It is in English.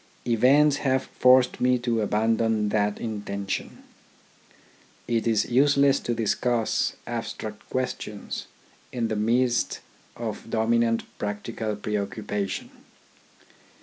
Events have forced me to abandon that inten tion. It is useless to discuss abstract questions in the midst of dominant practical preoccupation.